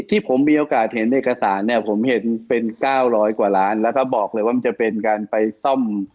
ที่ผมมีโอกาสเห็นเอกสารเนี่ยผมเห็นเป็น๙๐๐กว่าล้านแล้วก็บอกเลยว่ามันจะเป็นการไปซ่อม